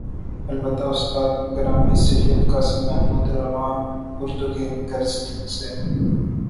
البتہ استاد گرامی سید قاسم محمود رواں اردو کی غرض سے